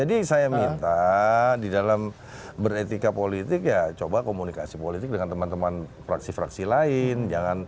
saya minta di dalam beretika politik ya coba komunikasi politik dengan teman teman fraksi fraksi lain